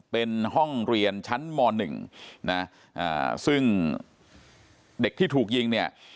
เป็นห้องเรียนชั้นม๑นะซึ่งเด็กที่ถูกยิงเนี่ย